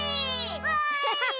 わい！